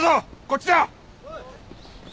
こっちだ！